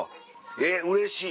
えっうれしい。